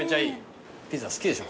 ピザ好きでしょ